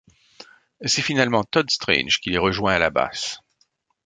C’est finalement Todd Strange qui les rejoint à la basse.